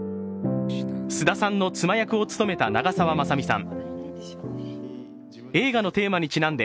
菅田さんの妻役を務めた長澤まさみさん。